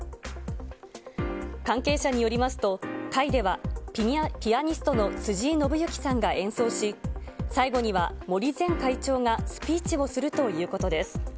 関係者によりますと、会では、ピアニストの辻井伸行さんが演奏し、最後には、森前会長がスピーチをするということです。